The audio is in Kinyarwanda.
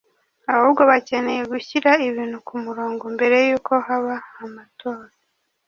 ahubwo bakeneye gushyira ibintu ku murongo mbere y’uko haba amatora